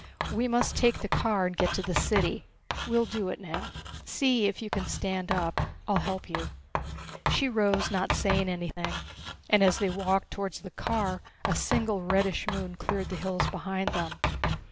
We must take the car and get to the city. We'll do it now. See if you can stand up I'll help you." She rose, not saying anything, and as they walked towards the car a single, reddish moon cleared the hills behind them.